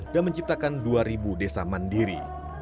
dan menciptakan dua desa mandiri